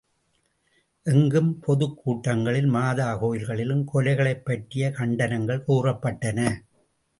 எங்கும் பொதுக் கூட்டங்களிலும், மாதா கோயில்களிலும் கொலைகளைப் பற்றிய கண்டனங்கள் கூறப்பட்டன.